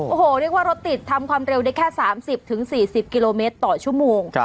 โอ้โหเรียกว่ารถติดทำความเร็วได้แค่๓๐๔๐กิโลเมตรต่อชั่วโมง